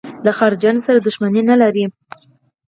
له بهرنیانو سره دښمني نه لري.